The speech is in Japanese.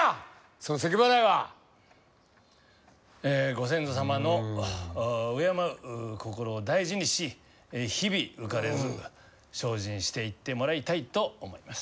そのせきばらいは。えご先祖様の敬う心を大事にし日々浮かれず精進していってもらいたいと思います。